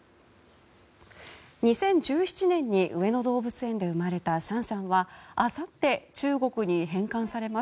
２０１７年に上野動物園で生まれたシャンシャンはあさって中国に返還されます。